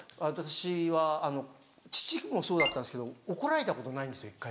私は父もそうだったんですけど怒られたことないんですよ